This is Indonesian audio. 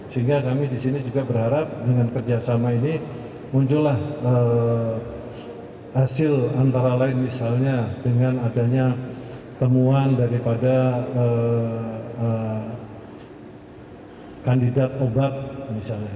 sehingga kami di sini juga berharap dengan kerjasama ini muncullah hasil antara lain misalnya dengan adanya temuan daripada kandidat obat misalnya